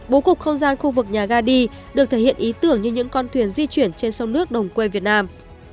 bố cục không gian khu vực nhà ga đi được thể hiện ý tưởng như những con thuyền di chuyển trên sông nước đồng quê việt nam